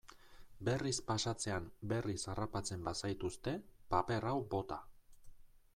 Berriz pasatzean berriz harrapatzen bazaituzte, paper hau bota.